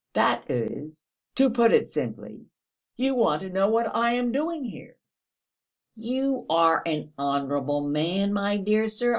"That is, to put it simply, you want to know what I am doing here?" "You are an honourable man, my dear sir.